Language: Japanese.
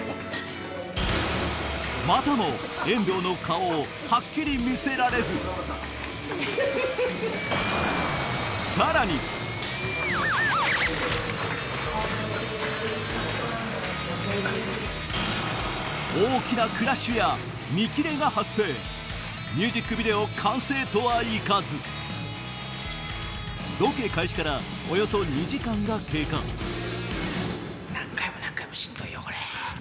またも遠藤の顔をハッキリ見せられず大きなクラッシュや見切れが発生ミュージックビデオ完成とはいかずロケ開始からおよそ２時間が経過ハハハハ。